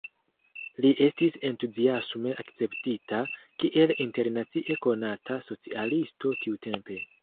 Li estis entuziasme akceptita, kiel internacie konata socialisto tiutempe.